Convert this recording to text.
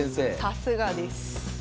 さすがです。